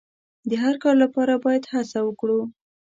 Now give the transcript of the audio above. د هر کار لپاره باید هڅه وکړو.